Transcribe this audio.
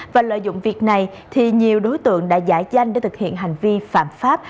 và lợi dụng việc này thì nhiều đối tượng đã giả danh để thực hiện hành vi phạm pháp